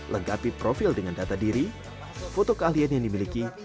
lengkapi profil dengan data diri foto keahlian yang dimiliki